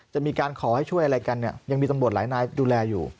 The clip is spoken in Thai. จะมีการขอให้ช่วยอะไรกันเนี่ยยังมีตำรวจหลายนายดูแลอยู่